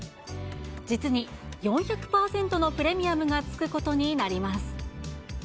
実に４００％のプレミアムがつくことになります。